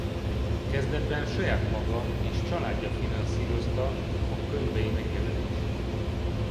Kezdetben saját maga és családja finanszírozta a könyvei megjelenését.